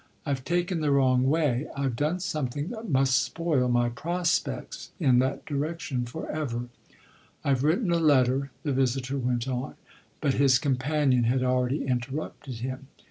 "I've taken the wrong way. I've done something that must spoil my prospects in that direction for ever. I've written a letter," the visitor went on; but his companion had already interrupted him.